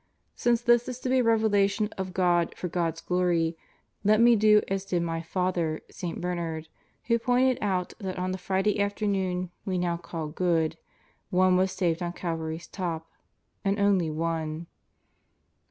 Since this is to be a revelation of God for God's glory, let me do as did my father St. Bernard, who pointed out that on the Friday afternoon we now call "Good" one was saved on Calvary's top and only one.